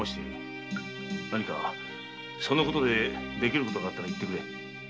何かそのことでできることがあったら言ってくれ。